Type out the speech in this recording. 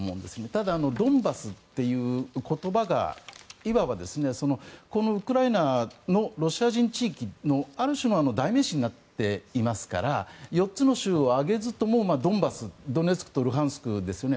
ただ、ドンバスっていう言葉がいわばこのウクライナのロシア人地域のある種の代名詞になっていますから４つの州を挙げずともドンバス、ドネツクとルハンシクですよね。